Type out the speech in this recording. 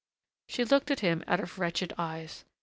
She looked at him out of wretched eyes.